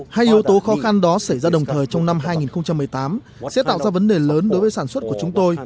hai yếu tố khó khăn đó xảy ra đồng thời trong năm hai nghìn một mươi tám sẽ tạo ra vấn đề lớn đối với sản xuất của chúng tôi